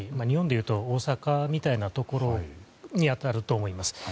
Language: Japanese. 日本でいうと大阪みたいなところに当たると思います。